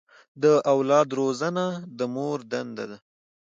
د اولاد روزنه د مور دنده ده.